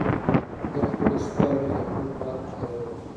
ده خپلې شپې او ورځې د خوب په حال کې تېرولې.